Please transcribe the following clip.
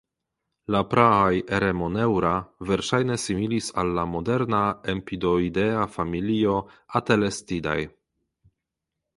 La praaj "Eremoneura" verŝajne similis al la moderna empidoidea familio "Atelestidae".